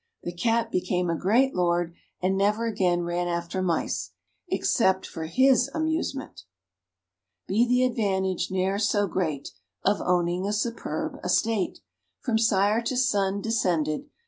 The Cat became a great lord, and never again ran after mice, except for his amusement. Be the advantage ne'er so great Of owning a superb estate, From sire to son descended.